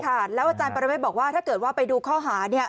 อาจารย์แล้วอาจารย์ปรเมฆบอกว่าถ้าเกิดว่าไปดูข้อหาเนี่ย